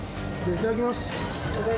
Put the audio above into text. いただきます。